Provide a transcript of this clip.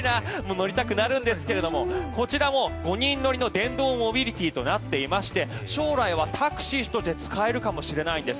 乗りたくなるんですけどこちらも５人乗りの電動モビリティーとなっていまして将来はタクシーとして使えるかもしれないんです。